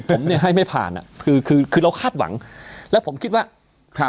ผมเนี่ยให้ไม่ผ่านคือเราคาดหวังและผมคิดว่า